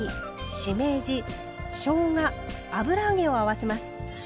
しめじしょうが油揚げを合わせます。